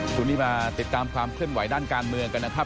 ช่วงนี้มาติดตามความเคลื่อนไหวด้านการเมืองกันนะครับ